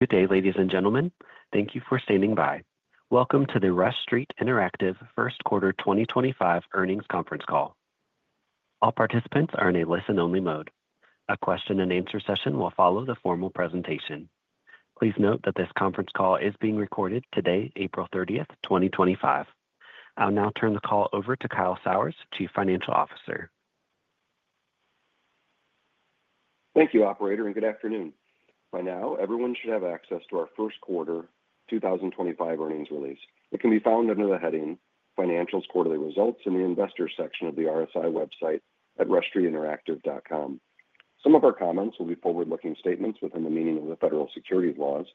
Good day, ladies and gentlemen. Thank you for standing by. Welcome to the Rush Street Interactive First Quarter 2025 earnings conference call. All participants are in a listen-only mode. A question-and-answer session will follow the formal presentation. Please note that this conference call is being recorded today, April 30th, 2025. I'll now turn the call over to Kyle Sauers, Chief Financial Officer. Thank you, Operator, and good afternoon. By now, everyone should have access to our First Quarter 2025 earnings release. It can be found under the heading "Financials Quarterly Results" in the Investors section of the RSI website at rushstreetinteractive.com. Some of our comments will be forward-looking statements within the meaning of the federal securities laws.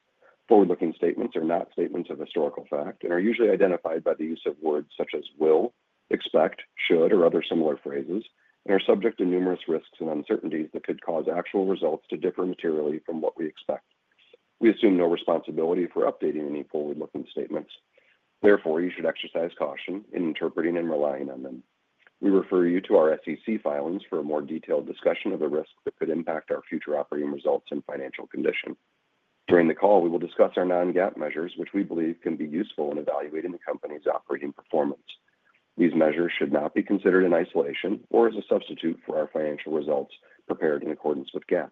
Forward-looking statements are not statements of historical fact and are usually identified by the use of words such as "will," "expect," "should," or other similar phrases, and are subject to numerous risks and uncertainties that could cause actual results to differ materially from what we expect. We assume no responsibility for updating any forward-looking statements. Therefore, you should exercise caution in interpreting and relying on them. We refer you to our SEC filings for a more detailed discussion of the risks that could impact our future operating results and financial condition. During the call, we will discuss our non-GAAP measures, which we believe can be useful in evaluating the company's operating performance. These measures should not be considered in isolation or as a substitute for our financial results prepared in accordance with GAAP.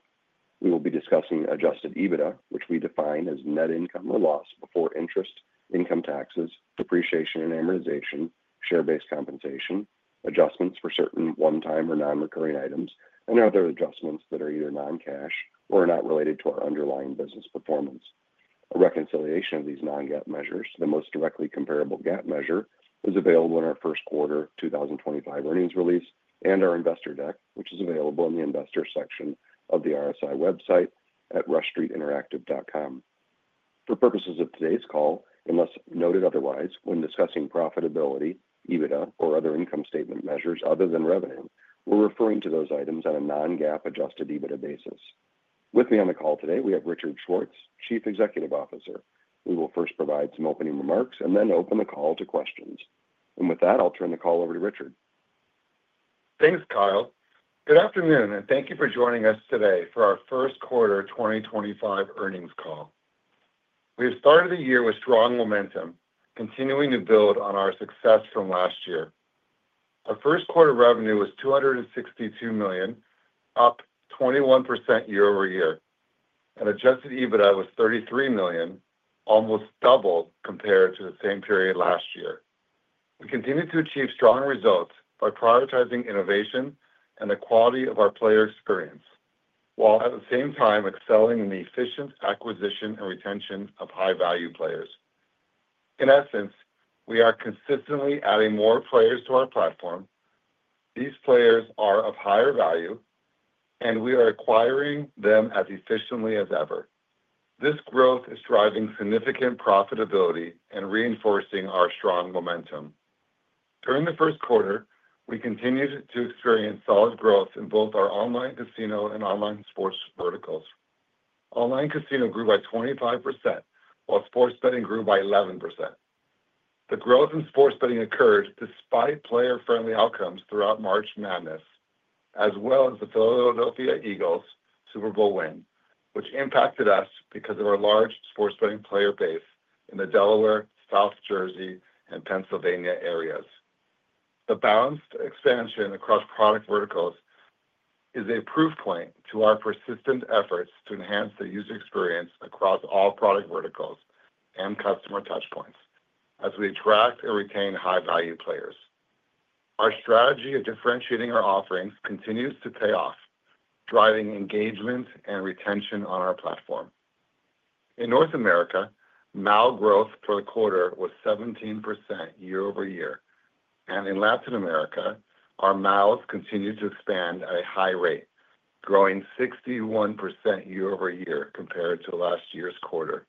We will be discussing adjusted EBITDA, which we define as net income or loss before interest, income taxes, depreciation and amortization, share-based compensation, adjustments for certain one-time or non-recurring items, and other adjustments that are either non-cash or are not related to our underlying business performance. A reconciliation of these non-GAAP measures to the most directly comparable GAAP measure is available in our First Quarter 2025 earnings release and our Investor Deck, which is available in the Investor section of the RSI website at rushstreetinteractive.com. For purposes of today's call, unless noted otherwise, when discussing profitability, EBITDA, or other income statement measures other than revenue, we're referring to those items on a non-GAAP adjusted EBITDA basis. With me on the call today, we have Richard Schwartz, Chief Executive Officer. We will first provide some opening remarks and then open the call to questions. With that, I'll turn the call over to Richard. Thanks, Kyle. Good afternoon, and thank you for joining us today for our First Quarter 2025 earnings call. We have started the year with strong momentum, continuing to build on our success from last year. Our First Quarter revenue was $262 million, up 21% year-over-year. Adjusted EBITDA was $33 million, almost double compared to the same period last year. We continue to achieve strong results by prioritizing innovation and the quality of our player experience, while at the same time excelling in the efficient acquisition and retention of high-value players. In essence, we are consistently adding more players to our platform. These players are of higher value, and we are acquiring them as efficiently as ever. This growth is driving significant profitability and reinforcing our strong momentum. During the First Quarter, we continued to experience solid growth in both our online casino and online sports verticals. Online Casino grew by 25%, while sports betting grew by 11%. The growth in sports betting occurred despite player-friendly outcomes throughout March Madness, as well as the Philadelphia Eagles' Super Bowl win, which impacted us because of our large sports betting player base in the Delaware, South Jersey, and Pennsylvania areas. The balanced expansion across product verticals is a proof point to our persistent efforts to enhance the user experience across all product verticals and customer touchpoints as we attract and retain high-value players. Our strategy of differentiating our offerings continues to pay off, driving engagement and retention on our platform. In North America, MAL growth for the quarter was 17% year-over-year. In Latin America, our MALs continue to expand at a high rate, growing 61% year-over-year compared to last year's quarter.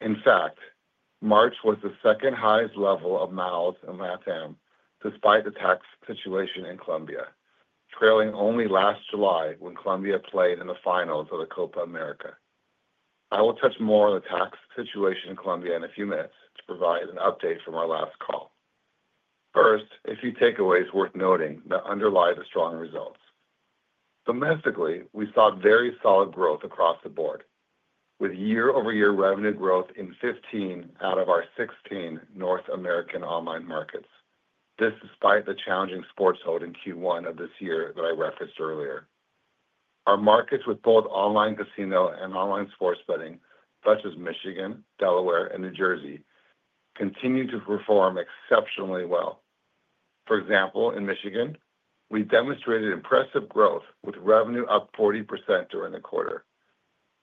In fact, March was the second highest level of MALs in LATAM, despite the tax situation in Colombia, trailing only last July when Colombia played in the finals of the Copa America. I will touch more on the tax situation in Colombia in a few minutes to provide an update from our last call. First, a few takeaways worth noting that underlie the strong results. Domestically, we saw very solid growth across the board, with year-over-year revenue growth in 15 out of our 16 North American online markets. This is despite the challenging sports hold in Q1 of this year that I referenced earlier. Our markets with both online casino and online sports betting, such as Michigan, Delaware, and New Jersey, continue to perform exceptionally well. For example, in Michigan, we demonstrated impressive growth with revenue up 40% during the quarter.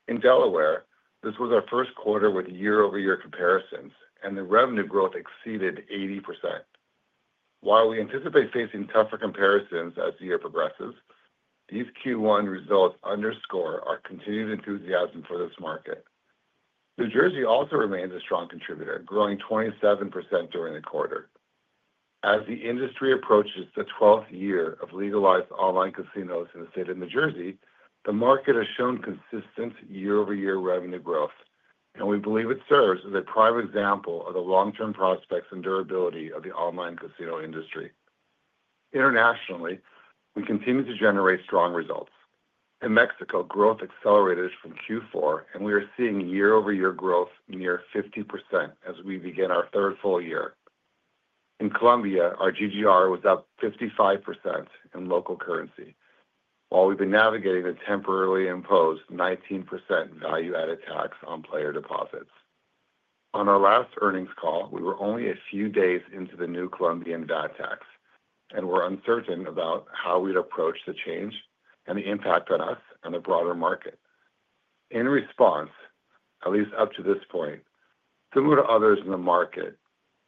In Delaware, this was our first quarter with year-over-year comparisons, and the revenue growth exceeded 80%. While we anticipate facing tougher comparisons as the year progresses, these Q1 results underscore our continued enthusiasm for this market. New Jersey also remains a strong contributor, growing 27% during the quarter. As the industry approaches the 12th year of legalized online casinos in the state of New Jersey, the market has shown consistent year-over-year revenue growth, and we believe it serves as a prime example of the long-term prospects and durability of the online casino industry. Internationally, we continue to generate strong results. In Mexico, growth accelerated from Q4, and we are seeing year-over-year growth near 50% as we begin our third full year. In Colombia, our GGR was up 55% in local currency, while we've been navigating the temporarily imposed 19% value-added tax on player deposits. On our last earnings call, we were only a few days into the new Colombian VAT tax, and we were uncertain about how we'd approach the change and the impact on us and the broader market. In response, at least up to this point, similar to others in the market,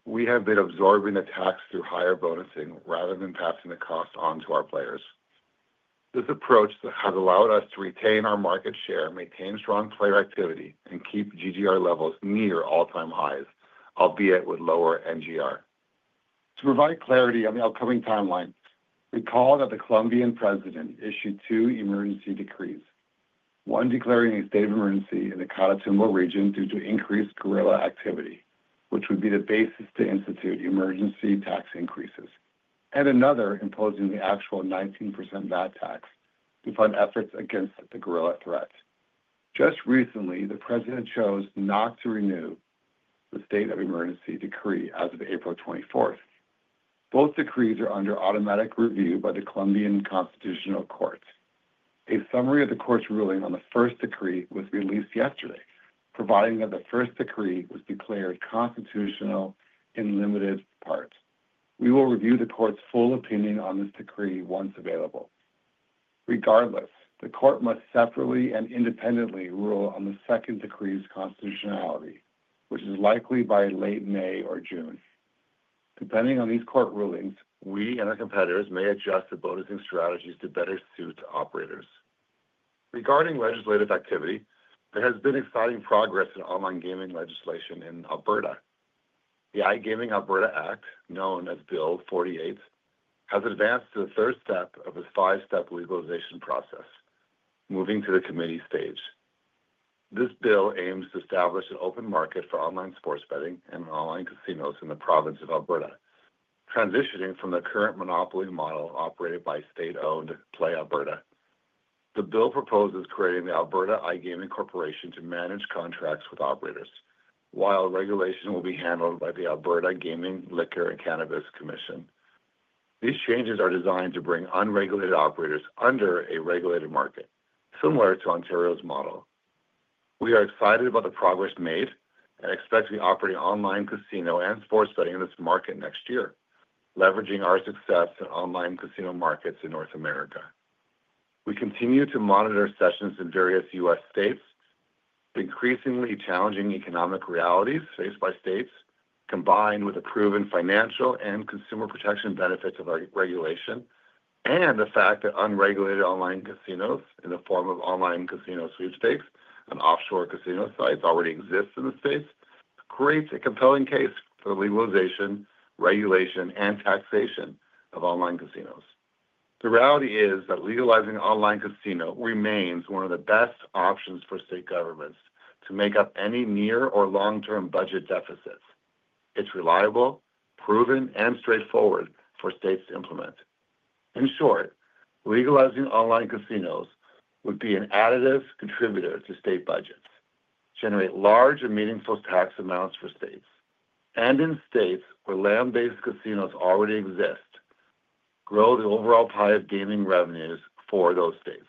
we have been absorbing the tax through higher bonusing rather than passing the cost onto our players. This approach has allowed us to retain our market share, maintain strong player activity, and keep GGR levels near all-time highs, albeit with lower NGR. To provide clarity on the upcoming timeline, recall that the Colombian President issued two emergency decrees: one declaring a state of emergency in the Catatumbo region due to increased guerrilla activity, which would be the basis to institute emergency tax increases, and another imposing the actual 19% VAT tax to fund efforts against the guerrilla threat. Just recently, the President chose not to renew the state of emergency decree as of April 24. Both decrees are under automatic review by the Colombian Constitutional Court. A summary of the court's ruling on the first decree was released yesterday, providing that the first decree was declared constitutional in limited part. We will review the court's full opinion on this decree once available. Regardless, the court must separately and independently rule on the second decree's constitutionality, which is likely by late May or June. Depending on these court rulings, we and our competitors may adjust the bonusing strategies to better suit operators. Regarding legislative activity, there has been exciting progress in online gaming legislation in Alberta. The iGaming Alberta Act, known as Bill 48, has advanced to the third step of the five-step legalization process, moving to the committee stage. This bill aims to establish an open market for online sports betting and online casino in the province of Alberta, transitioning from the current monopoly model operated by state-owned Play Alberta. The bill proposes creating the Alberta iGaming Corporation to manage contracts with operators, while regulation will be handled by the Alberta Gaming, Liquor, and Cannabis Commission. These changes are designed to bring unregulated operators under a regulated market, similar to Ontario's model. We are excited about the progress made and expect to be operating online casino and sports betting in this market next year, leveraging our success in online casino markets in North America. We continue to monitor sessions in various U.S. states. The increasingly challenging economic realities faced by states, combined with the proven financial and consumer protection benefits of regulation, and the fact that unregulated online casinos in the form of online casino sweepstakes and offshore casino sites already exist in the states, create a compelling case for the legalization, regulation, and taxation of online casinos. The reality is that legalizing online casino remains one of the best options for state governments to make up any near or long-term budget deficits. It's reliable, proven, and straightforward for states to implement. In short, legalizing online casinos would be an additive contributor to state budgets, generate large and meaningful tax amounts for states, and in states where land-based casinos already exist, grow the overall pie of gaming revenues for those states.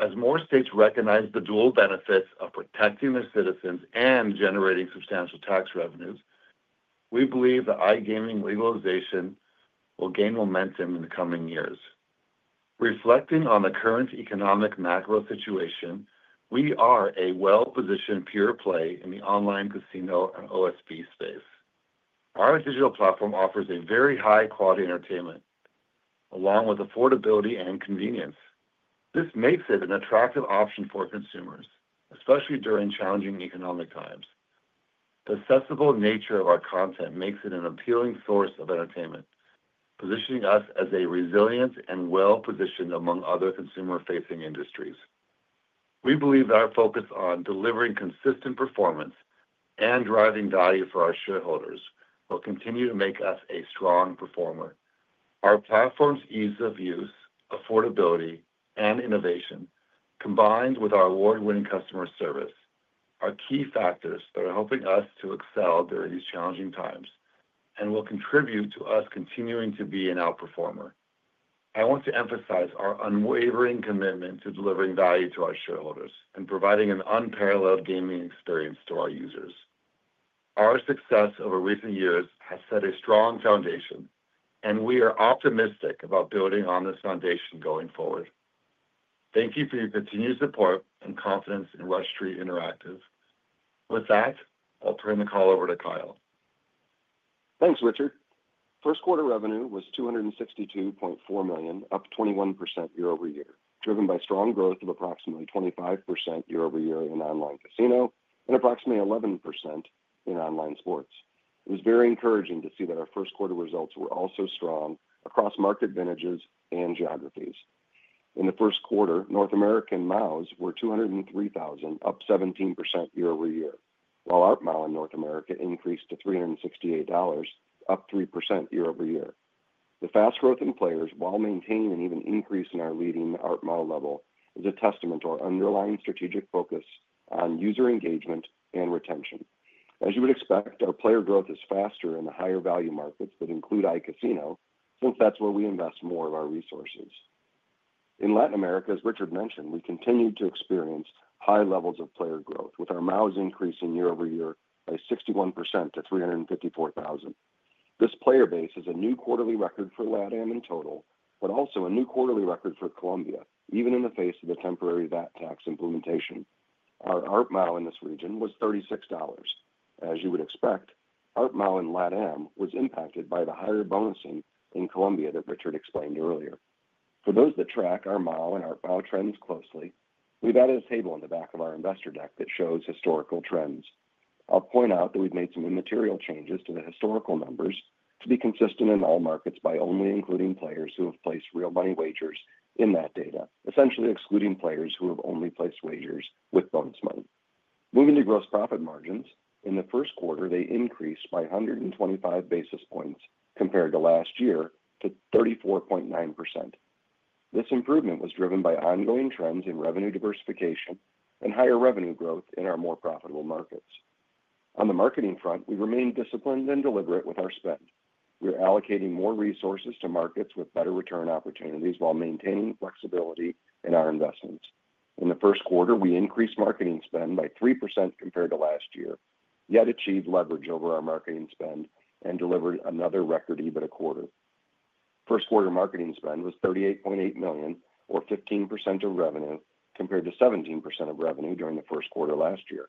As more states recognize the dual benefits of protecting their citizens and generating substantial tax revenues, we believe that iGaming legalization will gain momentum in the coming years. Reflecting on the current economic macro situation, we are a well-positioned peer play in the online casino and OSB space. Our digital platform offers very high-quality entertainment, along with affordability and convenience. This makes it an attractive option for consumers, especially during challenging economic times. The accessible nature of our content makes it an appealing source of entertainment, positioning us as resilient and well-positioned among other consumer-facing industries. We believe that our focus on delivering consistent performance and driving value for our shareholders will continue to make us a strong performer. Our platform's ease of use, affordability, and innovation, combined with our award-winning customer service, are key factors that are helping us to excel during these challenging times and will contribute to us continuing to be an outperformer. I want to emphasize our unwavering commitment to delivering value to our shareholders and providing an unparalleled gaming experience to our users. Our success over recent years has set a strong foundation, and we are optimistic about building on this foundation going forward. Thank you for your continued support and confidence in Rush Street Interactive. With that, I'll turn the call over to Kyle. Thanks, Richard. First quarter revenue was $262.4 million, up 21% year-over-year, driven by strong growth of approximately 25% year-over-year in online casino and approximately 11% in online sports. It was very encouraging to see that our first quarter results were also strong across market vintages and geographies. In the first quarter, North American MALs were 203,000, up 17% year-over-year, while ARPDAL in North America increased to $368, up 3% year-over-year. The fast growth in players, while maintaining an even increase in our leading ARPDAL level, is a testament to our underlying strategic focus on user engagement and retention. As you would expect, our player growth is faster in the higher value markets that include iCasino, since that's where we invest more of our resources. In Latin America, as Richard mentioned, we continue to experience high levels of player growth, with our MALs increasing year-over-year by 61% to $354,000. This player base is a new quarterly record for LATAM in total, but also a new quarterly record for Colombia, even in the face of the temporary VAT tax implementation. Our ARPDAL in this region was $36. As you would expect, ARPDAL in LATAM was impacted by the higher bonusing in Colombia that Richard explained earlier. For those that track our MAL and ARPDAL trends closely, we've added a table on the back of our investor deck that shows historical trends. I'll point out that we've made some immaterial changes to the historical numbers to be consistent in all markets by only including players who have placed real money wagers in that data, essentially excluding players who have only placed wagers with bonus money. Moving to gross profit margins, in the first quarter, they increased by 125 basis points compared to last year to 34.9%. This improvement was driven by ongoing trends in revenue diversification and higher revenue growth in our more profitable markets. On the marketing front, we remained disciplined and deliberate with our spend. We're allocating more resources to markets with better return opportunities while maintaining flexibility in our investments. In the first quarter, we increased marketing spend by 3% compared to last year, yet achieved leverage over our marketing spend and delivered another record even a quarter. First quarter marketing spend was $38.8 million, or 15% of revenue, compared to 17% of revenue during the first quarter last year.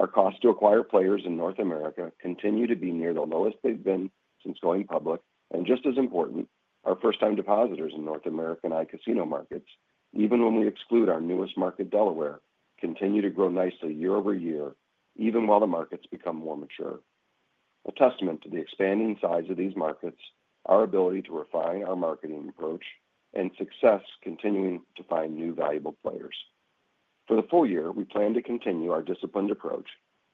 Our cost to acquire players in North America continued to be near the lowest they have been since going public, and just as important, our first-time depositors in North American iCasino markets, even when we exclude our newest market, Delaware, continue to grow nicely year-over-year, even while the markets become more mature. A testament to the expanding size of these markets, our ability to refine our marketing approach, and success continuing to find new valuable players. For the full year, we plan to continue our disciplined approach,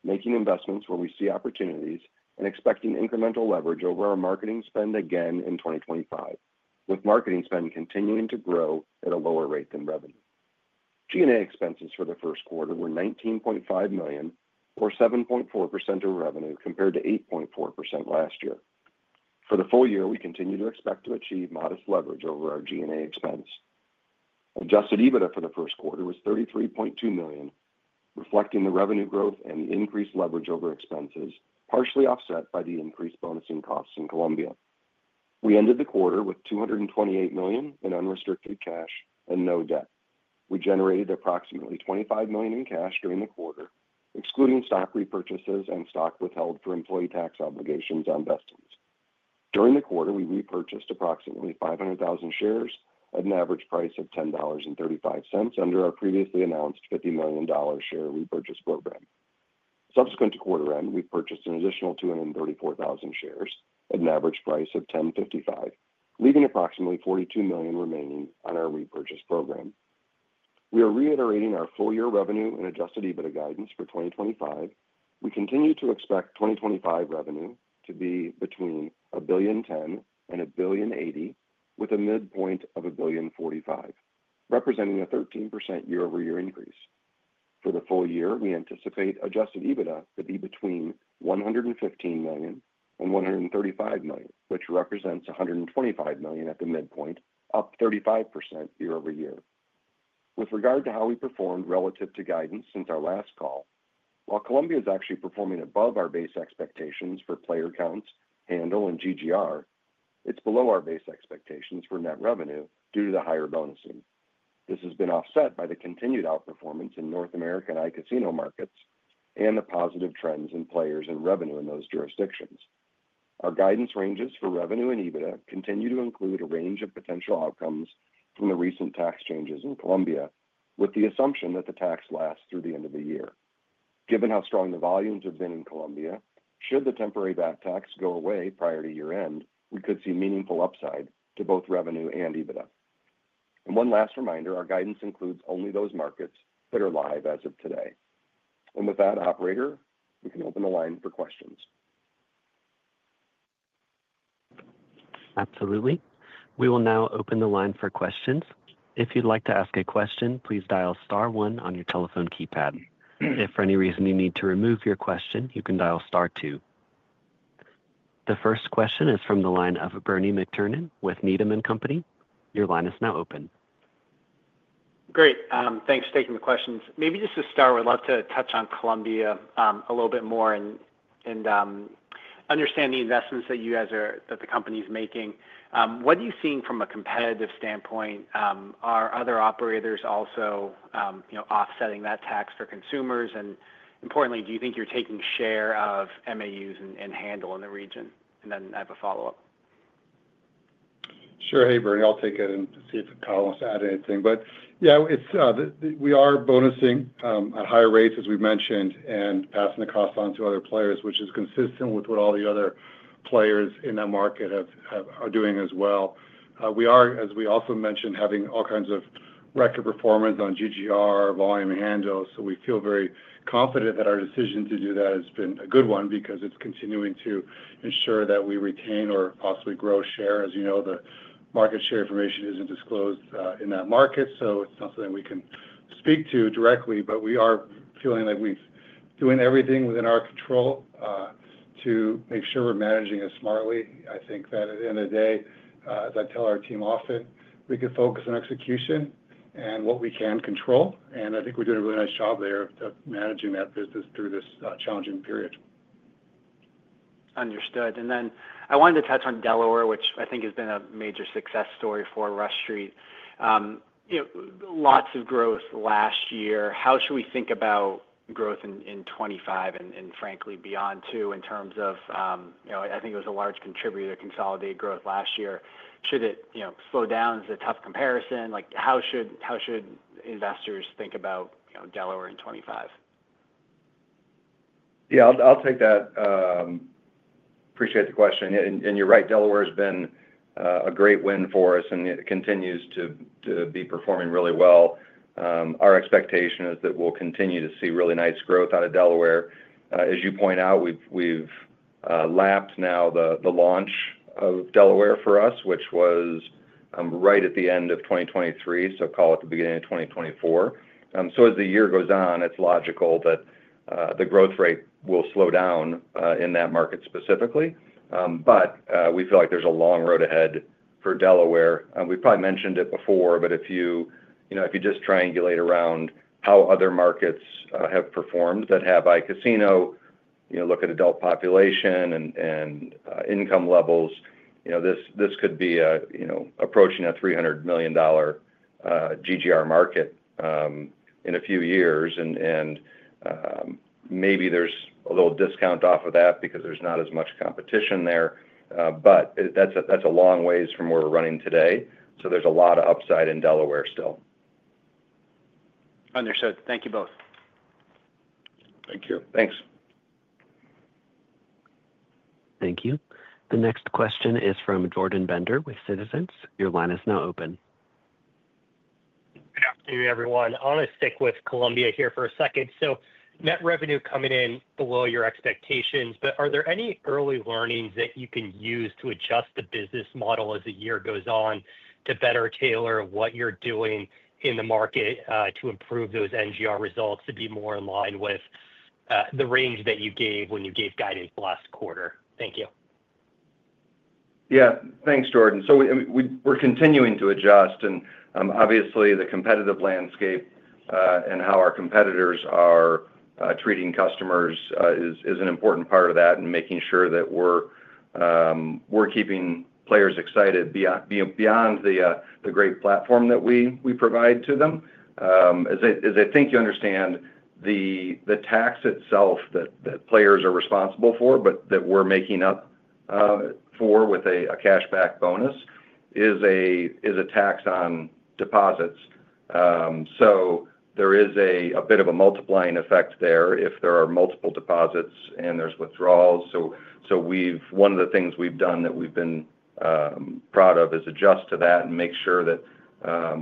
making investments where we see opportunities and expecting incremental leverage over our marketing spend again in 2025, with marketing spend continuing to grow at a lower rate than revenue. G&A expenses for the first quarter were $19.5 million, or 7.4% of revenue, compared to 8.4% last year. For the full year, we continue to expect to achieve modest leverage over our G&A expense. Adjusted EBITDA for the first quarter was $33.2 million, reflecting the revenue growth and the increased leverage over expenses, partially offset by the increased bonusing costs in Colombia. We ended the quarter with $228 million in unrestricted cash and no debt. We generated approximately $25 million in cash during the quarter, excluding stock repurchases and stock withheld for employee tax obligations on vestings. During the quarter, we repurchased approximately 500,000 shares at an average price of $10.35 under our previously announced $50 million share repurchase program. Subsequent to quarter end, we purchased an additional 234,000 shares at an average price of $10.55, leaving approximately $42 million remaining on our repurchase program. We are reiterating our full-year revenue and adjusted EBITDA guidance for 2025. We continue to expect 2025 revenue to be between $1,010,000 and $1,080,000, with a midpoint of $1,045,000, representing a 13% year-over-year increase. For the full year, we anticipate adjusted EBITDA to be between $115,000,000 and $135,000,000, which represents $125,000,000 at the midpoint, up 35% year-over-year. With regard to how we performed relative to guidance since our last call, while Colombia is actually performing above our base expectations for player counts, handle, and GGR, it's below our base expectations for net revenue due to the higher bonusing. This has been offset by the continued outperformance in North American iCasino markets and the positive trends in players and revenue in those jurisdictions. Our guidance ranges for revenue and EBITDA continue to include a range of potential outcomes from the recent tax changes in Colombia, with the assumption that the tax lasts through the end of the year. Given how strong the volumes have been in Colombia, should the temporary VAT tax go away prior to year-end, we could see meaningful upside to both revenue and EBITDA. One last reminder, our guidance includes only those markets that are live as of today. With that, operator, we can open the line for questions. Absolutely. We will now open the line for questions. If you'd like to ask a question, please dial star one on your telephone keypad. If for any reason you need to remove your question, you can dial star two. The first question is from the line of Bernie McTernan with Needham & Company. Your line is now open. Great. Thanks for taking the questions. Maybe just to start, we'd love to touch on Colombia a little bit more and understand the investments that the company is making. What are you seeing from a competitive standpoint? Are other operators also offsetting that tax for consumers? Importantly, do you think you're taking share of MAUs and handle in the region? I have a follow-up. Sure, hey, Bernie, I'll take it and see if Kyle wants to add anything. Yeah, we are bonusing at higher rates, as we mentioned, and passing the cost on to other players, which is consistent with what all the other players in that market are doing as well. We are, as we also mentioned, having all kinds of record performance on GGR, volume, and handle, so we feel very confident that our decision to do that has been a good one because it's continuing to ensure that we retain or possibly grow share. As you know, the market share information isn't disclosed in that market, so it's not something we can speak to directly, but we are feeling like we're doing everything within our control to make sure we're managing it smartly. I think that at the end of the day, as I tell our team often, we can focus on execution and what we can control, and I think we're doing a really nice job there of managing that business through this challenging period. Understood. I wanted to touch on Delaware, which I think has been a major success story for Rush Street. Lots of growth last year. How should we think about growth in 2025 and, frankly, beyond 2022 in terms of, I think it was a large contributor to consolidated growth last year? Should it slow down? Is it a tough comparison? How should investors think about Delaware in 2025? Yeah, I'll take that. Appreciate the question. You're right, Delaware has been a great win for us, and it continues to be performing really well. Our expectation is that we'll continue to see really nice growth out of Delaware. As you point out, we've lapped now the launch of Delaware for us, which was right at the end of 2023, so call it the beginning of 2024. As the year goes on, it's logical that the growth rate will slow down in that market specifically, but we feel like there's a long road ahead for Delaware. We probably mentioned it before, but if you just triangulate around how other markets have performed that have iCasino, look at adult population and income levels, this could be approaching a $300 million GGR market in a few years. Maybe there's a little discount off of that because there's not as much competition there, but that's a long ways from where we're running today, so there's a lot of upside in Delaware still. Understood. Thank you both. Thank you. Thanks. Thank you. The next question is from Jordan Bender with Citizens. Your line is now open. Good afternoon, everyone. I want to stick with Colombia here for a second. Net revenue coming in below your expectations, but are there any early learnings that you can use to adjust the business model as the year goes on to better tailor what you're doing in the market to improve those NGR results to be more in line with the range that you gave when you gave guidance last quarter? Thank you. Yeah, thanks, Jordan. We're continuing to adjust, and obviously, the competitive landscape and how our competitors are treating customers is an important part of that and making sure that we're keeping players excited beyond the great platform that we provide to them. As I think you understand, the tax itself that players are responsible for, but that we're making up for with a cashback bonus, is a tax on deposits. There is a bit of a multiplying effect there if there are multiple deposits and there's withdrawals. One of the things we've done that we've been proud of is adjust to that and make sure that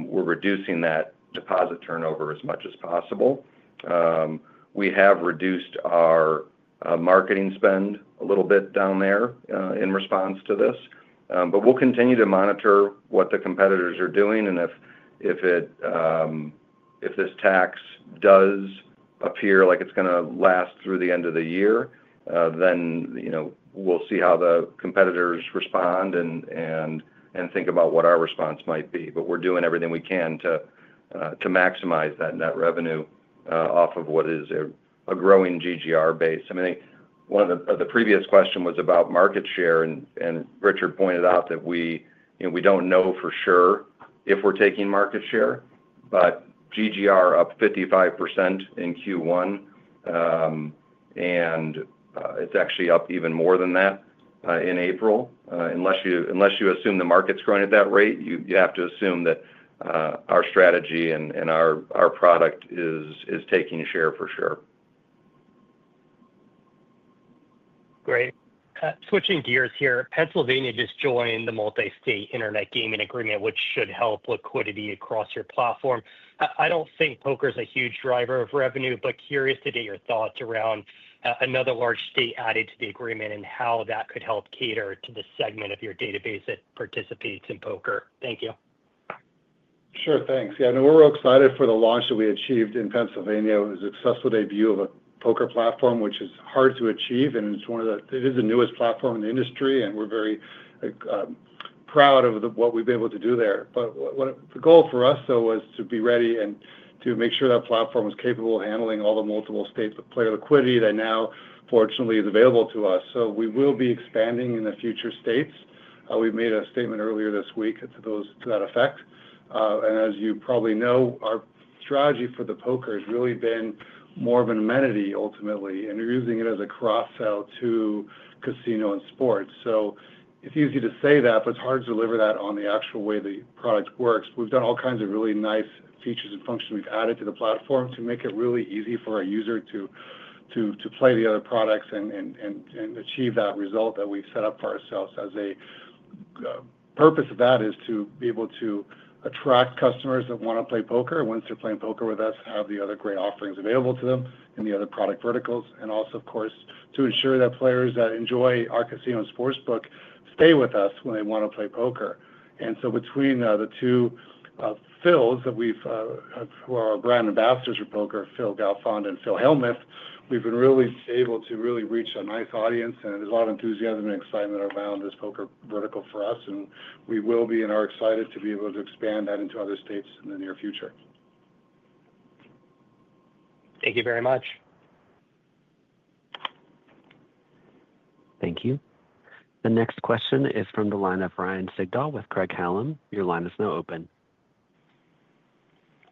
we're reducing that deposit turnover as much as possible. We have reduced our marketing spend a little bit down there in response to this, but we'll continue to monitor what the competitors are doing. If this tax does appear like it's going to last through the end of the year, we'll see how the competitors respond and think about what our response might be. We're doing everything we can to maximize that net revenue off of what is a growing GGR base. I mean, one of the previous questions was about market share, and Richard pointed out that we don't know for sure if we're taking market share, but GGR up 55% in Q1, and it's actually up even more than that in April. Unless you assume the market's growing at that rate, you have to assume that our strategy and our product is taking share for sure. Great. Switching gears here, Pennsylvania just joined the multi-state internet gaming agreement, which should help liquidity across your platform. I do not think poker is a huge driver of revenue, but curious to get your thoughts around another large state added to the agreement and how that could help cater to the segment of your database that participates in poker. Thank you. Sure, thanks. Yeah, I know we're real excited for the launch that we achieved in Pennsylvania. It was a successful debut of a poker platform, which is hard to achieve, and it is the newest platform in the industry, and we're very proud of what we've been able to do there. The goal for us, though, was to be ready and to make sure that platform was capable of handling all the multiple-state player liquidity that now, fortunately, is available to us. We will be expanding in the future states. We made a statement earlier this week to that effect. As you probably know, our strategy for the poker has really been more of an amenity, ultimately, and we're using it as a cross-sell to casino and sports. It's easy to say that, but it's hard to deliver that on the actual way the product works. We've done all kinds of really nice features and functions we've added to the platform to make it really easy for our user to play the other products and achieve that result that we've set up for ourselves. The purpose of that is to be able to attract customers that want to play poker. Once they're playing poker with us, have the other great offerings available to them in the other product verticals. Also, of course, to ensure that players that enjoy our casino and sports book stay with us when they want to play poker. Between the two Phil's who are our brand ambassadors for poker, Phil Galfond and Phil Hellmuth, we've been really able to really reach a nice audience, and there's a lot of enthusiasm and excitement around this poker vertical for us, and we will be and are excited to be able to expand that into other states in the near future. Thank you very much. Thank you. The next question is from the line of Ryan Sigdahl with Craig-Hallum. Your line is now open.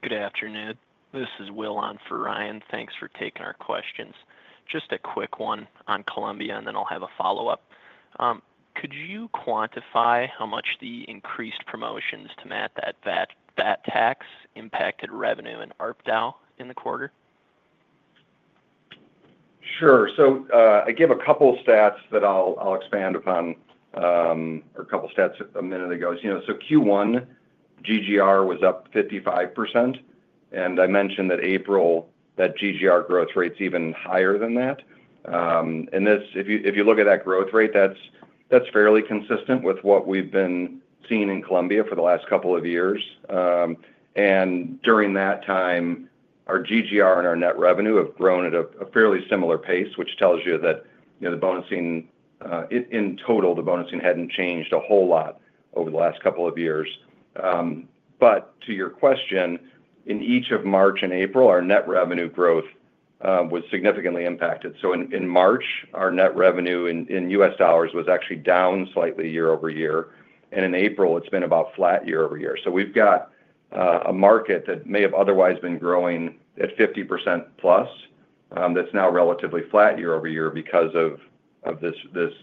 Good afternoon. This is Will on for Ryan. Thanks for taking our questions. Just a quick one on Colombia, and then I'll have a follow-up. Could you quantify how much the increased promotions to match that VAT tax impacted revenue and ARPDAL in the quarter? Sure. I gave a couple of stats that I'll expand upon or a couple of stats a minute ago. Q1, GGR was up 55%, and I mentioned that April, that GGR growth rate's even higher than that. If you look at that growth rate, that's fairly consistent with what we've been seeing in Colombia for the last couple of years. During that time, our GGR and our net revenue have grown at a fairly similar pace, which tells you that the bonusing in total, the bonusing hadn't changed a whole lot over the last couple of years. To your question, in each of March and April, our net revenue growth was significantly impacted. In March, our net revenue in US dollars was actually down slightly year-over-year, and in April, it's been about flat year-over-year. We have got a market that may have otherwise been growing at 50% plus that is now relatively flat year-over-year because of this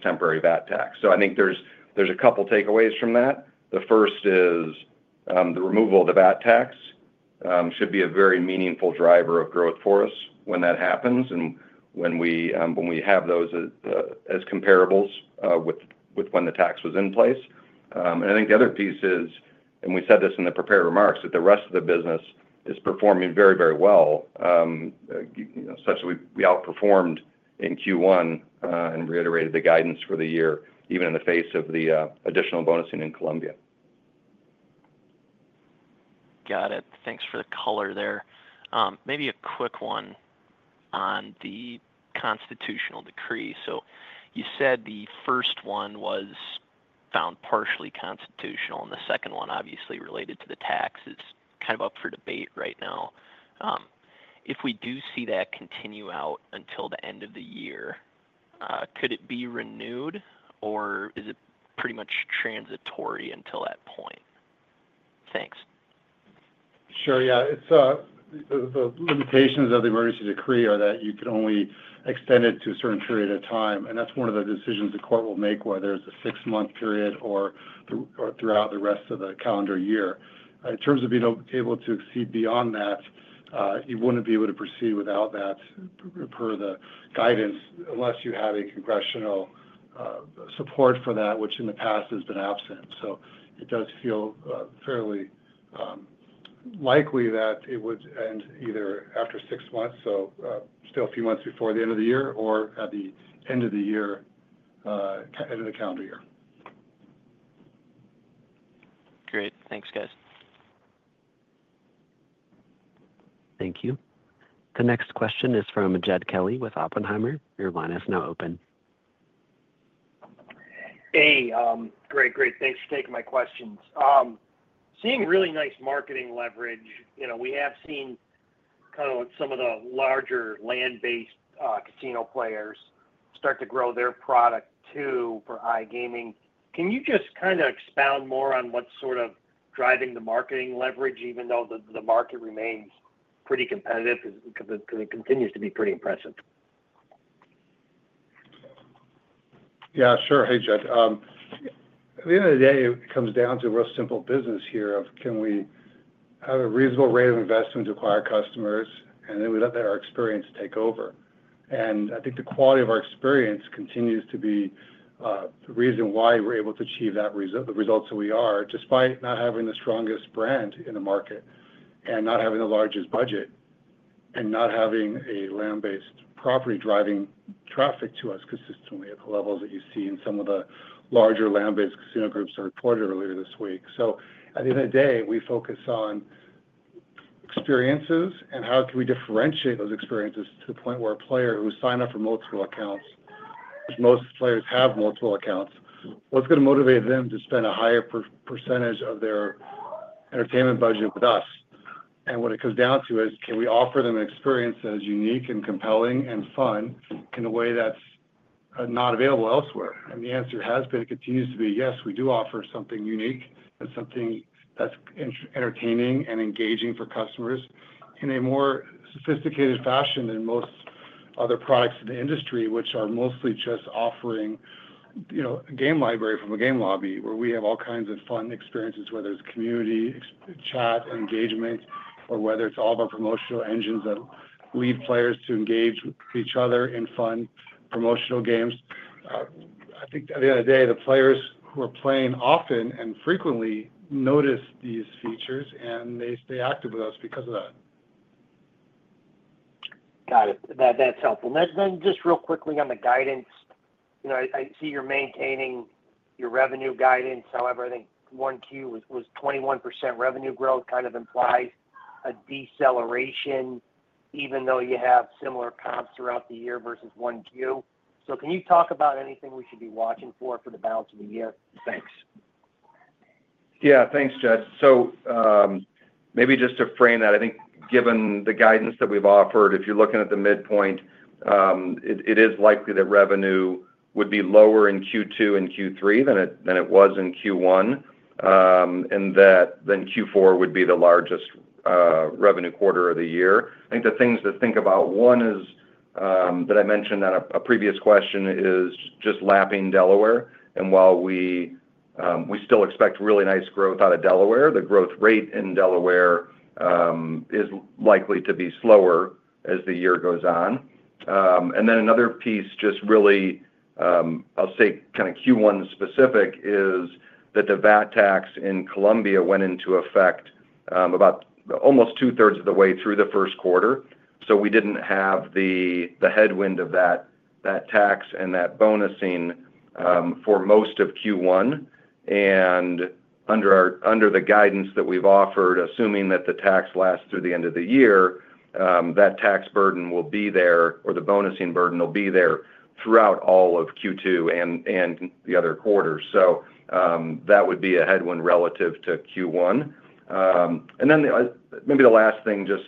temporary VAT tax. I think there are a couple of takeaways from that. The first is the removal of the VAT tax should be a very meaningful driver of growth for us when that happens and when we have those as comparables with when the tax was in place. I think the other piece is, and we said this in the prepared remarks, that the rest of the business is performing very, very well, such as we outperformed in Q1 and reiterated the guidance for the year, even in the face of the additional bonusing in Colombia. Got it. Thanks for the color there. Maybe a quick one on the constitutional decrease. You said the first one was found partially constitutional, and the second one, obviously, related to the tax is kind of up for debate right now. If we do see that continue out until the end of the year, could it be renewed, or is it pretty much transitory until that point? Thanks. Sure, yeah. The limitations of the emergency decree are that you can only extend it to a certain period of time, and that's one of the decisions the court will make whether it's a six-month period or throughout the rest of the calendar year. In terms of being able to exceed beyond that, you wouldn't be able to proceed without that per the guidance unless you have congressional support for that, which in the past has been absent. It does feel fairly likely that it would end either after six months, so still a few months before the end of the year, or at the end of the year, end of the calendar year. Great. Thanks, guys. Thank you. The next question is from Jed Kelly with Oppenheimer. Your line is now open. Hey, great, great. Thanks for taking my questions. Seeing really nice marketing leverage, we have seen kind of some of the larger land-based casino players start to grow their product too for iGaming. Can you just kind of expound more on what's sort of driving the marketing leverage, even though the market remains pretty competitive because it continues to be pretty impressive? Yeah, sure. Hey, Jed. At the end of the day, it comes down to real simple business here of can we have a reasonable rate of investment to acquire customers, and then we let our experience take over. I think the quality of our experience continues to be the reason why we're able to achieve the results that we are, despite not having the strongest brand in the market and not having the largest budget and not having a land-based property driving traffic to us consistently at the levels that you see in some of the larger land-based casino groups I reported earlier this week. At the end of the day, we focus on experiences and how can we differentiate those experiences to the point where a player who signed up for multiple accounts, which most players have multiple accounts, what's going to motivate them to spend a higher percentage of their entertainment budget with us? What it comes down to is, can we offer them an experience that is unique and compelling and fun in a way that's not available elsewhere? The answer has been it continues to be, yes, we do offer something unique. It's something that's entertaining and engaging for customers in a more sophisticated fashion than most other products in the industry, which are mostly just offering a game library from a game lobby where we have all kinds of fun experiences, whether it's community chat and engagement, or whether it's all of our promotional engines that lead players to engage with each other in fun promotional games. I think at the end of the day, the players who are playing often and frequently notice these features, and they stay active with us because of that. Got it. That's helpful. Then just real quickly on the guidance, I see you're maintaining your revenue guidance. However, I think Q1 was 21% revenue growth kind of implies a deceleration, even though you have similar comps throughout the year versus Q1. Can you talk about anything we should be watching for for the balance of the year? Thanks. Yeah, thanks, Jed. Maybe just to frame that, I think given the guidance that we've offered, if you're looking at the midpoint, it is likely that revenue would be lower in Q2 and Q3 than it was in Q1, and then Q4 would be the largest revenue quarter of the year. I think the things to think about, one is that I mentioned that a previous question is just lapping Delaware. While we still expect really nice growth out of Delaware, the growth rate in Delaware is likely to be slower as the year goes on. Another piece, just really, I'll say kind of Q1 specific, is that the VAT tax in Colombia went into effect about almost two-thirds of the way through the first quarter. We did not have the headwind of that tax and that bonusing for most of Q1. Under the guidance that we've offered, assuming that the tax lasts through the end of the year, that tax burden will be there, or the bonusing burden will be there throughout all of Q2 and the other quarters. That would be a headwind relative to Q1. Maybe the last thing, just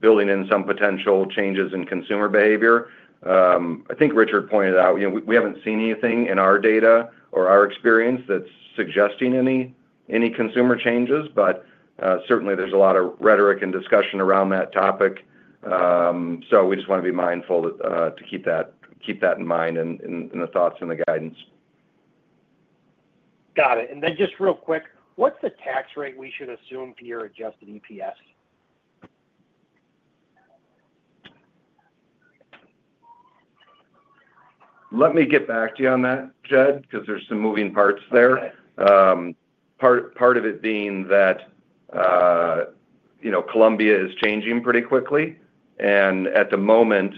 building in some potential changes in consumer behavior. I think Richard pointed out we haven't seen anything in our data or our experience that's suggesting any consumer changes, but certainly there's a lot of rhetoric and discussion around that topic. We just want to be mindful to keep that in mind in the thoughts and the guidance. Got it. And then just real quick, what's the tax rate we should assume to your adjusted EPS? Let me get back to you on that, Jed, because there's some moving parts there. Part of it being that Colombia is changing pretty quickly, and at the moment,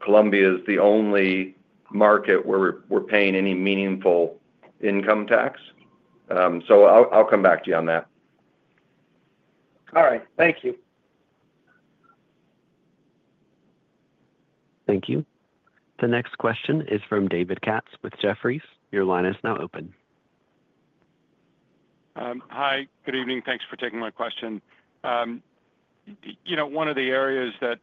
Colombia is the only market where we're paying any meaningful income tax. So I'll come back to you on that. All right. Thank you. Thank you. The next question is from David Katz with Jefferies. Your line is now open. Hi, good evening. Thanks for taking my question. One of the areas that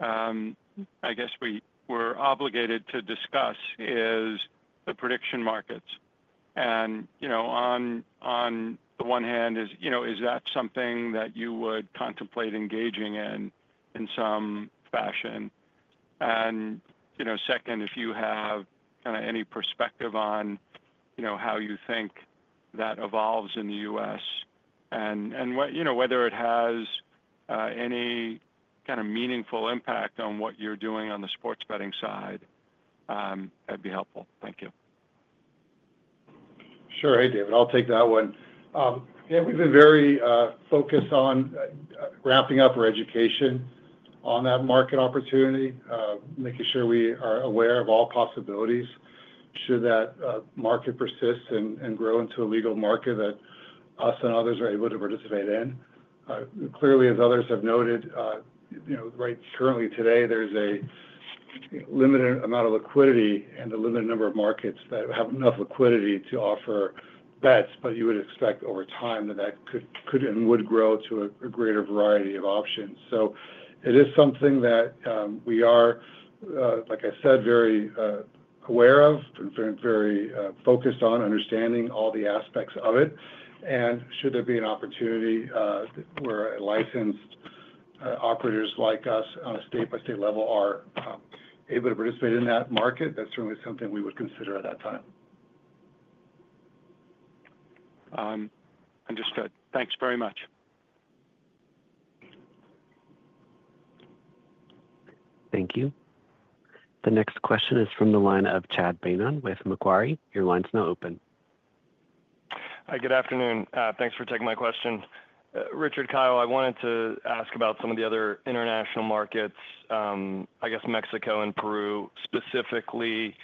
I guess we were obligated to discuss is the prediction markets. On the one hand, is that something that you would contemplate engaging in in some fashion? Second, if you have kind of any perspective on how you think that evolves in the U.S. and whether it has any kind of meaningful impact on what you're doing on the sports betting side, that'd be helpful. Thank you. Sure. Hey, David, I'll take that one. Yeah, we've been very focused on ramping up our education on that market opportunity, making sure we are aware of all possibilities should that market persist and grow into a legal market that us and others are able to participate in. Clearly, as others have noted, right currently today, there's a limited amount of liquidity and a limited number of markets that have enough liquidity to offer bets, but you would expect over time that that could and would grow to a greater variety of options. It is something that we are, like I said, very aware of and very focused on understanding all the aspects of it. Should there be an opportunity where licensed operators like us on a state-by-state level are able to participate in that market, that's certainly something we would consider at that time. Understood. Thanks very much. Thank you. The next question is from the line of Chad Beynon with Macquarie. Your line's now open. Hi, good afternoon. Thanks for taking my question. Richard, Kyle, I wanted to ask about some of the other international markets, I guess Mexico and Peru specifically.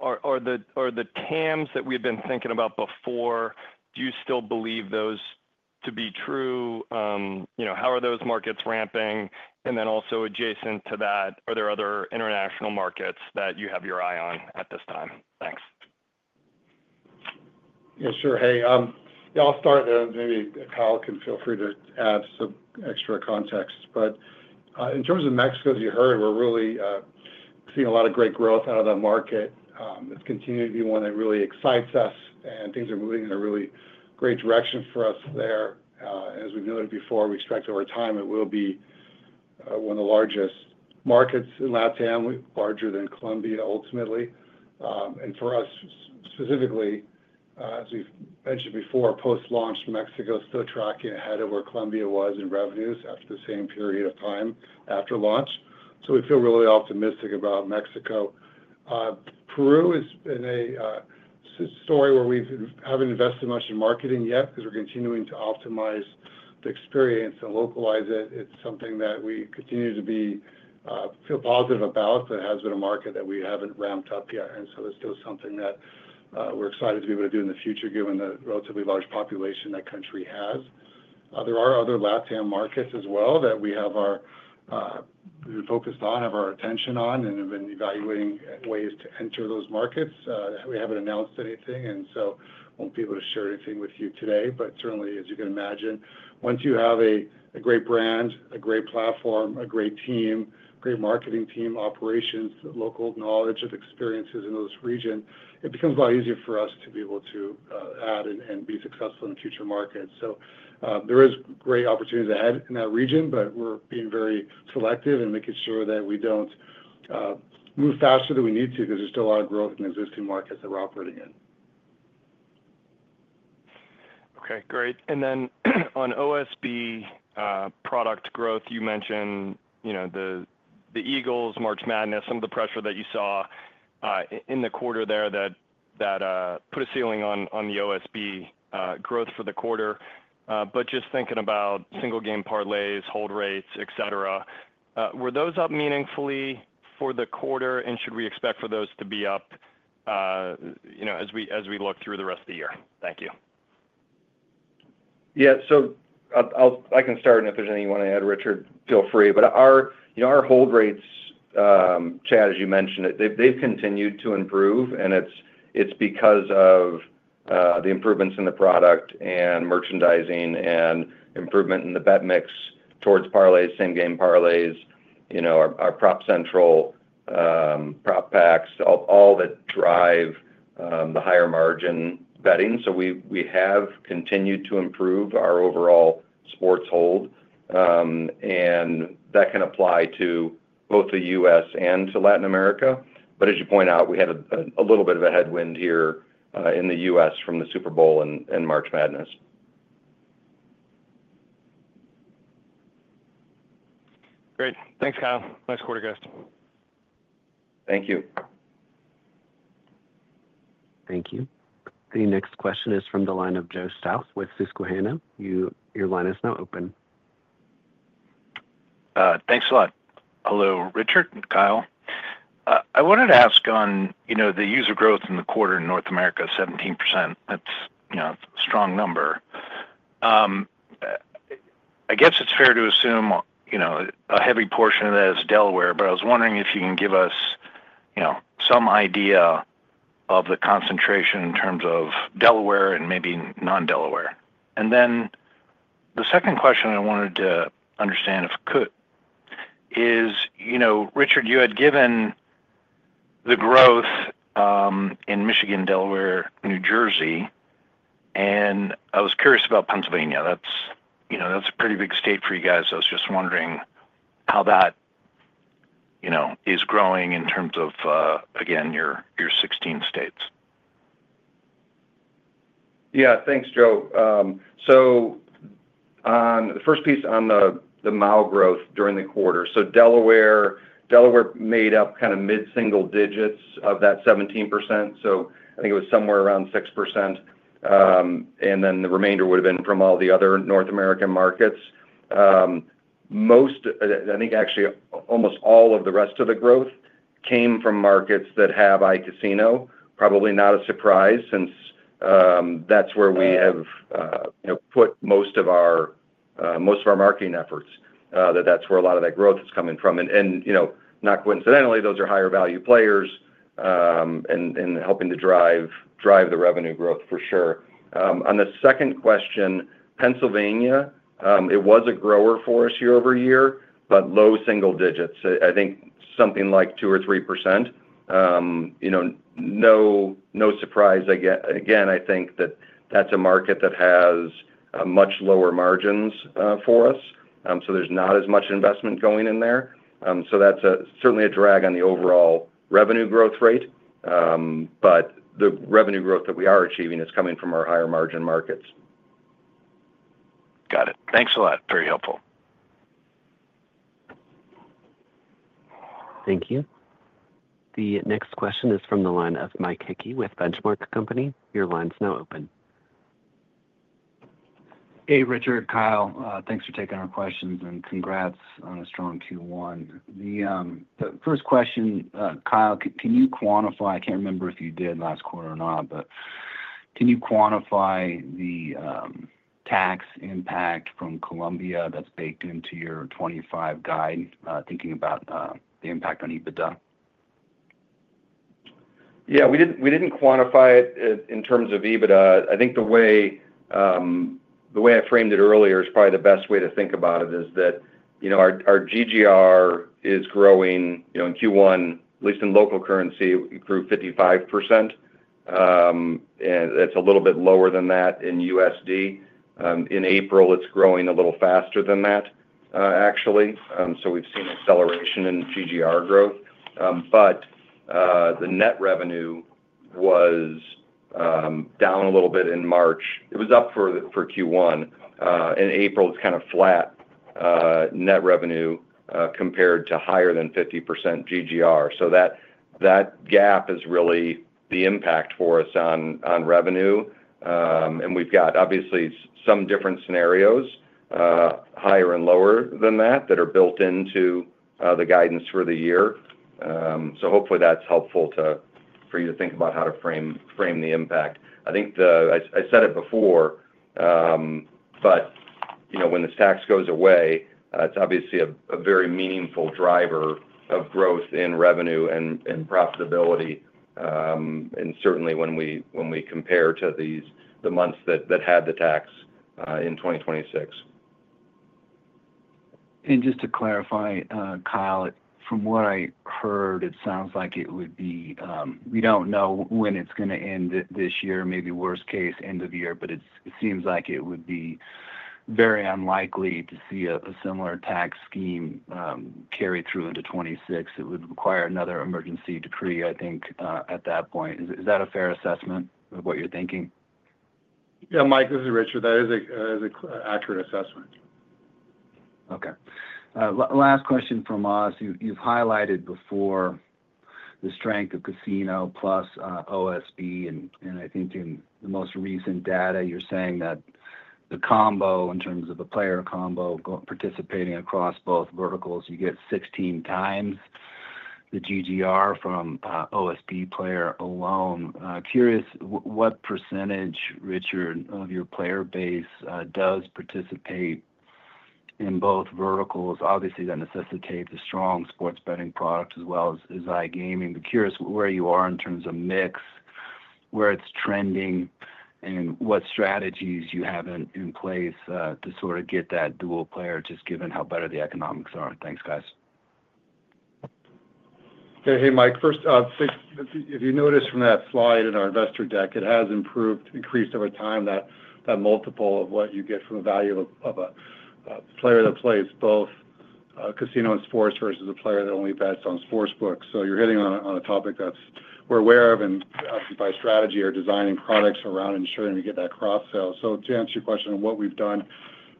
Are the TAMs that we had been thinking about before, do you still believe those to be true? How are those markets ramping? Also adjacent to that, are there other international markets that you have your eye on at this time? Thanks. Yeah, sure. Hey, I'll start, and maybe Kyle can feel free to add some extra context. In terms of Mexico, as you heard, we're really seeing a lot of great growth out of that market. It's continuing to be one that really excites us, and things are moving in a really great direction for us there. As we've noted before, we expect over time it will be one of the largest markets in LATAM, larger than Colombia ultimately. For us specifically, as we've mentioned before, post-launch Mexico is still tracking ahead of where Colombia was in revenues after the same period of time after launch. We feel really optimistic about Mexico. Peru is in a story where we haven't invested much in marketing yet because we're continuing to optimize the experience and localize it. It's something that we continue to feel positive about, but it has been a market that we haven't ramped up yet. It's still something that we're excited to be able to do in the future, given the relatively large population that country has. There are other LATAM markets as well that we have our focus on, have our attention on, and have been evaluating ways to enter those markets. We haven't announced anything, so won't be able to share anything with you today. Certainly, as you can imagine, once you have a great brand, a great platform, a great team, great marketing team, operations, local knowledge of experiences in those regions, it becomes a lot easier for us to be able to add and be successful in future markets. There are great opportunities ahead in that region, but we're being very selective and making sure that we don't move faster than we need to because there's still a lot of growth in existing markets that we're operating in. Okay, great. On OSB product growth, you mentioned the Eagles March Madness, some of the pressure that you saw in the quarter there that put a ceiling on the OSB growth for the quarter. Just thinking about single game parlays, hold rates, etc., were those up meaningfully for the quarter, and should we expect for those to be up as we look through the rest of the year? Thank you. Yeah, I can start, and if there's anything you want to add, Richard, feel free. Our hold rates, Chad, as you mentioned, they've continued to improve, and it's because of the improvements in the product and merchandising and improvement in the bet mix towards parlays, same game parlays, our Prop Central, Prop Packs, all that drive the higher margin betting. We have continued to improve our overall sports hold, and that can apply to both the U.S. and to Latin America. As you point out, we had a little bit of a headwind here in the U.S. from the Super Bowl and March Madness. Great. Thanks, Kyle. Nice quarter, guys. Thank you. Thank you. The next question is from the line of Joe Stauff with Craig-Hallump. Your line is now open. Thanks a lot. Hello, Richard and Kyle. I wanted to ask on the user growth in the quarter in North America, 17%. That's a strong number. I guess it's fair to assume a heavy portion of that is Delaware, but I was wondering if you can give us some idea of the concentration in terms of Delaware and maybe non-Delaware. The second question I wanted to understand if it could is, Richard, you had given the growth in Michigan, Delaware, New Jersey, and I was curious about Pennsylvania. That's a pretty big state for you guys. I was just wondering how that is growing in terms of, again, your 16 states. Yeah, thanks, Joe. The first piece on the MAL growth during the quarter, Delaware made up kind of mid-single digits of that 17%. I think it was somewhere around 6%, and then the remainder would have been from all the other North American markets. I think actually almost all of the rest of the growth came from markets that have iCasino, probably not a surprise since that's where we have put most of our marketing efforts, that that's where a lot of that growth is coming from. Not coincidentally, those are higher value players and helping to drive the revenue growth for sure. On the second question, Pennsylvania, it was a grower for us year-over-year, but low single digits. I think something like 2% or 3%. No surprise, again, I think that that's a market that has much lower margins for us. There's not as much investment going in there. That's certainly a drag on the overall revenue growth rate, but the revenue growth that we are achieving is coming from our higher margin markets. Got it. Thanks a lot. Very helpful. Thank you. The next question is from the line of Mike Hickey with Benchmark Company. Your line's now open. Hey, Richard, Kyle, thanks for taking our questions and congrats on a strong Q1. The first question, Kyle, can you quantify—I can't remember if you did last quarter or not—but can you quantify the tax impact from Colombia that's baked into your 2025 guide, thinking about the impact on EBITDA? Yeah, we didn't quantify it in terms of EBITDA. I think the way I framed it earlier is probably the best way to think about it is that our GGR is growing in Q1, at least in local currency, grew 55%. And it's a little bit lower than that in USD. In April, it's growing a little faster than that, actually. Like, we've seen acceleration in GGR growth. But the net revenue was down a little bit in March. It was up for Q1. In April, it's kind of flat net revenue compared to higher than 50% GGR. That gap is really the impact for us on revenue. We've got, obviously, some different scenarios, higher and lower than that, that are built into the guidance for the year. Hopefully that's helpful for you to think about how to frame the impact. I think I said it before, but when this tax goes away, it's obviously a very meaningful driver of growth in revenue and profitability, and certainly when we compare to the months that had the tax in 2026. Just to clarify, Kyle, from what I heard, it sounds like it would be—we do not know when it is going to end this year, maybe worst case end of year, but it seems like it would be very unlikely to see a similar tax scheme carried through into 2026. It would require another emergency decree, I think, at that point. Is that a fair assessment of what you are thinking? Yeah, Mike, this is Richard. That is an accurate assessment. Okay. Last question from us. You've highlighted before the strength of Casino plus OSB, and I think in the most recent data, you're saying that the combo, in terms of a player combo, participating across both verticals, you get 16 times the GGR from OSB player alone. Curious what percentage, Richard, of your player base does participate in both verticals. Obviously, that necessitates a strong sports betting product as well as iGaming. Curious where you are in terms of mix, where it's trending, and what strategies you have in place to sort of get that dual player, just given how better the economics are. Thanks, guys. Hey, Mike. First, if you notice from that slide in our investor deck, it has increased over time that multiple of what you get from the value of a player that plays both Casino and Sports versus a player that only bets on Sportsbook. You're hitting on a topic that we're aware of and obviously by strategy are designing products around ensuring we get that cross-sell. To answer your question on what we've done,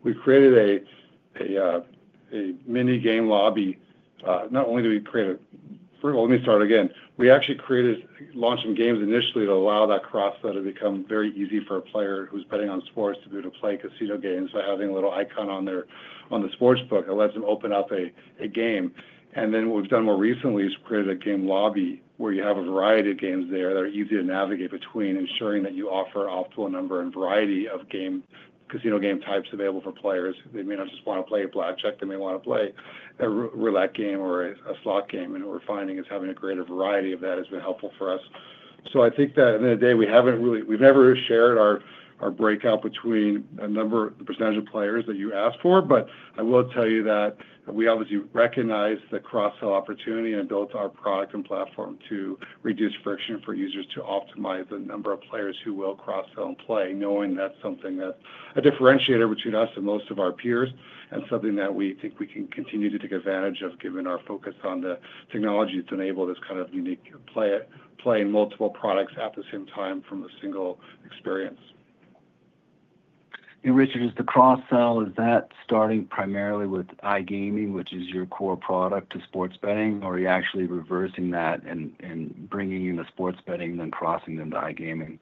we've created a mini game lobby. Not only did we create a—first of all, let me start again. We actually launched some games initially to allow that cross-sell to become very easy for a player who's betting on sports to be able to play Casino games by having a little icon on the Sportsbook that lets them open up a game. What we have done more recently is created a game lobby where you have a variety of games that are easy to navigate between, ensuring that you offer an optimal number and variety of casino game types available for players. They may not just want to play a blackjack; they may want to play a roulette game or a slot game. What we are finding is having a greater variety of that has been helpful for us. I think that at the end of the day, we've never shared our breakout between the percentage of players that you asked for, but I will tell you that we obviously recognize the cross-sell opportunity and built our product and platform to reduce friction for users to optimize the number of players who will cross-sell and play, knowing that's something that's a differentiator between us and most of our peers and something that we think we can continue to take advantage of, given our focus on the technology to enable this kind of unique play in multiple products at the same time from a single experience. Richard, is the cross-sell, is that starting primarily with iGaming, which is your core product to sports betting, or are you actually reversing that and bringing in the sports betting and then crossing them to iGaming?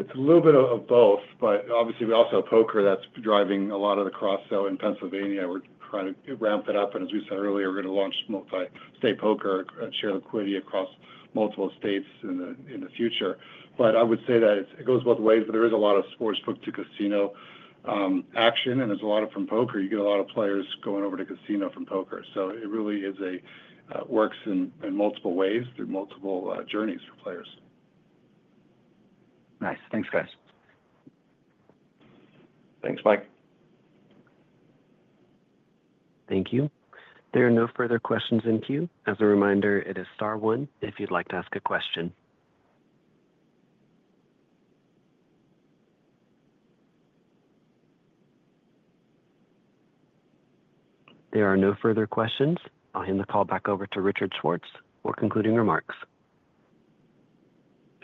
It's a little bit of both, but obviously we also have poker that's driving a lot of the cross-sell in Pennsylvania. We're trying to ramp it up, and as we said earlier, we're going to launch multi-state poker and share liquidity across multiple states in the future. I would say that it goes both ways, but there is a lot of Sportsbook to Casino action, and there's a lot of from poker. You get a lot of players going over to Casino from poker. It really works in multiple ways through multiple journeys for players. Nice. Thanks, guys. Thanks, Mike. Thank you. There are no further questions in queue. As a reminder, it is Star 1 if you'd like to ask a question. There are no further questions. I'll hand the call back over to Richard Schwartz for concluding remarks.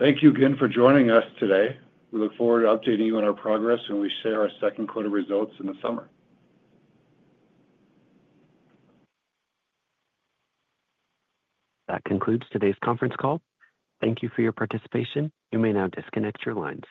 Thank you again for joining us today. We look forward to updating you on our progress when we share our second quarter results in the summer. That concludes today's conference call. Thank you for your participation. You may now disconnect your lines.